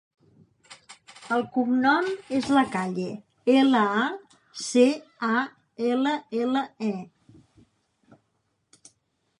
El cognom és Lacalle: ela, a, ce, a, ela, ela, e.